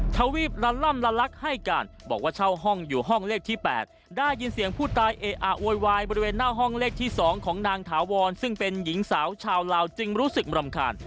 ทวีปละล่ำละลักให้การบอกว่าเช่าห้องอยู่ห้องเลขที่๘ได้ยินเสียงผู้ตายเออะโวยวายบริเวณหน้าห้องเลขที่๒ของนางถาวรซึ่งเป็นหญิงสาวชาวลาวจึงรู้สึกรำคาญ